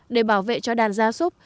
để bảo vệ cho đàn gia súc